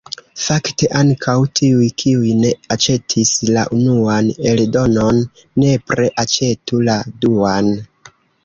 Fakte ankaŭ tiuj, kiuj ne aĉetis la unuan eldonon, nepre aĉetu la duan.